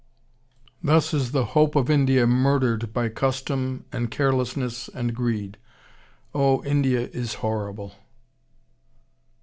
Thus is the 'hope of India' MURDERED by custom and carelessness and greed. _Oh, India is horrible!